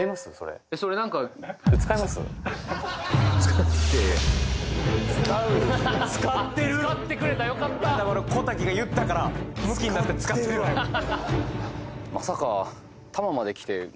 それなんか使う使ってる使ってくれたよかった小瀧が言ったからムキになって使ってるＩＰＡ？